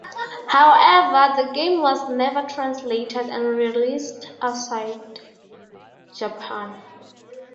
However, the game was never translated and released outside Japan.